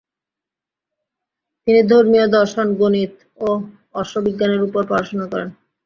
তিনি ধর্মীয় দর্শন, গণিত ও অশ্ববিজ্ঞানের উপর পড়াশোনা করেন।